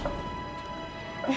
nggak mau mak